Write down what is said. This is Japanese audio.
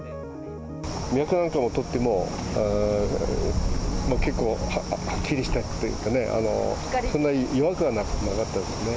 脈なんかをとっても、結構はっきりしたというかね、そんなに違和感なかったですね。